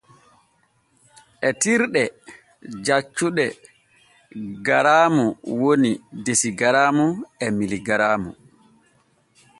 Etirɗe jaccuɗe garaamu woni desigaraamu e miligaraamu.